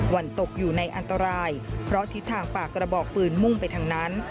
วันตกอยู่ในอันตรายเพราะทิศทางปากกระบอกปืนมุ่งไปทางนั้น